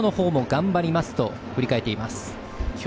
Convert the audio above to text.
リードの方も頑張りますと振り返っています。